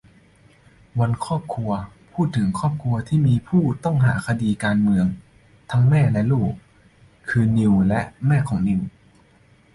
วันครอบครัว พูดถึงครอบครัวที่เป็นผู้ต้องหาคดีการเมืองทั้งแม่และลูก คือ นิวและแม่ของนิว